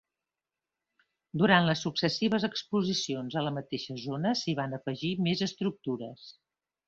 Durant les successives exposicions a la mateixa zona, s'hi van afegir més estructures.